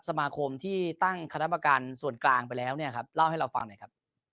สมาคมที่ตั้งคณะประการส่วนกลางไปแล้วเนี่ยครับเล่าให้เราฟังหน่อยครับ